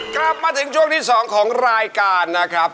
กลับมาถึงช่วงที่๒ของรายการนะครับ